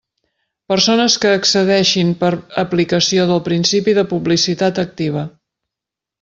Persones que accedeixin per aplicació del principi de publicitat activa.